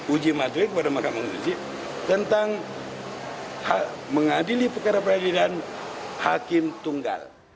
uji materi kepada mahkamah uji tentang mengadili perkara peradilan hakim tunggal